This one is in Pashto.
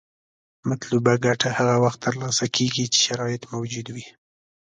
مطلوبه ګټه هغه وخت تر لاسه کیږي چې شرایط موجود وي.